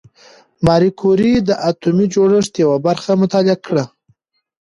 ماري کوري د اتومي جوړښت یوه برخه مطالعه کړه.